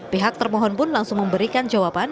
pihak termohon pun langsung memberikan jawaban